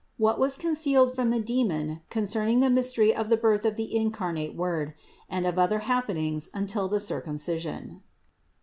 WHAT WAS CONCEALED FROM THE DEMON CONCERNING THE MYSTERY OF THE BIRTH OF THE INCARNATE WORD, AND OF OTHER HAPPENINGS UNTIL THE CIR CUMCISION.